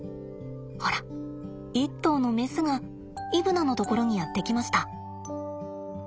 ほら一頭のメスがイブナのところにやって来ました。